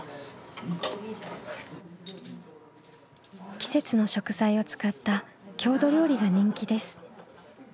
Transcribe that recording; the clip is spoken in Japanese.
季節の食材を使った郷土料理が人気です。